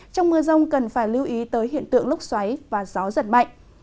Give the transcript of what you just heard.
trong mưa rông cần phải lưu ý tới hiện tượng lúc xoáy và gió giật mạnh